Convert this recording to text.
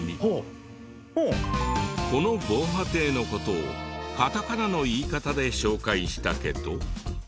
この防波堤の事をカタカナの言い方で紹介したけど。